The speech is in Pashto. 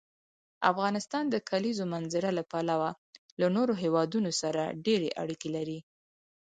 افغانستان د کلیزو منظره له پلوه له نورو هېوادونو سره ډېرې اړیکې لري.